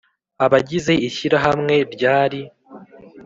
abagize ishyirahamwe ryari